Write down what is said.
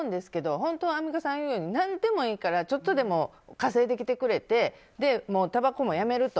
本当アンミカさん言うように何でもいいからちょっとでも稼いでくれてたばこもやめると。